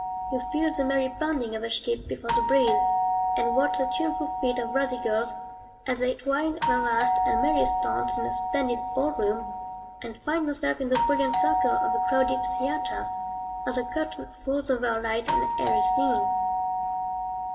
You feel the merry bounding of a ship before the breeze; and watch the tuneful feet of rosy girls, as they twine their last and merriest dance in a splendid ballroom; and find yourself in the brilliant circle of a crowded theatre, as the curtain falls over a light and airy scene.